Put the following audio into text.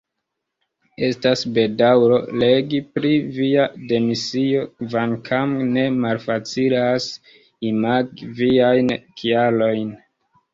Estas bedaŭro legi pri via demisio, kvankam ne malfacilas imagi viajn kialojn.